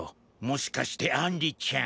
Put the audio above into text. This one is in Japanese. もしかしてアンリちゃん